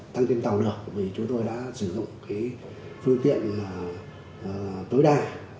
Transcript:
thêm tàu được bởi vì chúng tôi đã sử dụng cái phương tiện tối đa